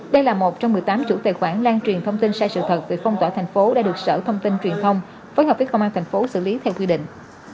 đây là một trong một mươi tám chủ tài khoản lan truyền thông tin sai sự thật về phong tỏa tp hcm đã được sở thông tin truyền thông với hợp viên công an tp xử lý theo quy định